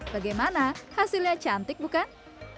bagaimana hasilnya cantik bukan